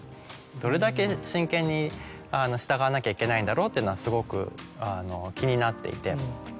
どれだけ真剣に従わなきゃいけないんだろうってのはすごく気になっていて。